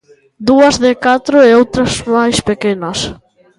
Dúas de catro e outras máis pequenas.